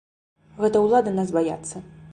Гэта ўлады нас баяцца.